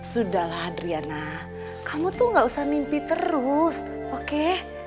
sudahlah adriana kamu tuh gak usah mimpi terus oke